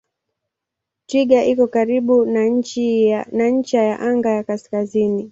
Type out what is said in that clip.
Twiga iko karibu na ncha ya anga ya kaskazini.